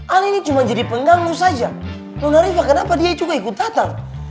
alia ini cuma jadi pengganggu saja nona rifa kenapa dia juga ikut datang